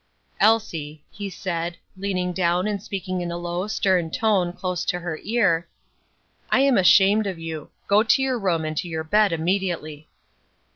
"Elsie," he said, leaning down and speaking in a low, stern tone, close to her ear, "I am ashamed of you; go to your room and to your bed immediately."